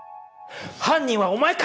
犯人はお前か！